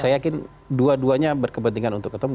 saya yakin dua duanya berkepentingan untuk ketemu